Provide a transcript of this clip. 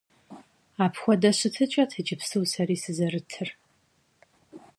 Апхуэдэ щытыкӀэт иджыпсту сэри сызэрытыр.